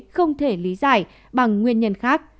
không thể lý giải bằng nguyên nhân khác